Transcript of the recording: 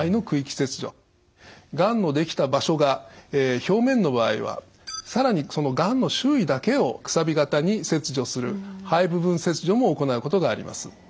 がんのできた場所が表面の場合は更にそのがんの周囲だけを楔形に切除する肺部分切除も行うことがあります。